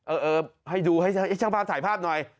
เออให้ดูให้ช่างภาพถ่ายภาพหน่อย